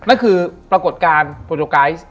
นั่นคือปรากฏการณ์โปรโดไกซ์